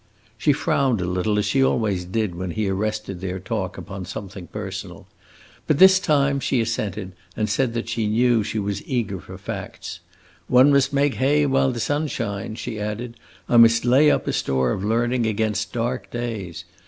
She frowned a little, as she always did when he arrested their talk upon something personal. But this time she assented, and said that she knew she was eager for facts. "One must make hay while the sun shines," she added. "I must lay up a store of learning against dark days.